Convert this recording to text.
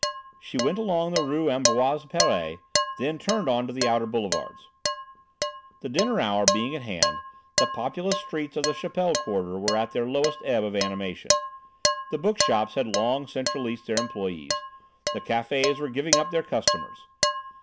She went along the Rue Ambroise Paré, then turned on to the outer boulevards. The dinner hour being at hand, the populous streets of the Chapelle quarter were at their lowest ebb of animation. The bookshops had long since released their employees, the cafés were giving up their customers.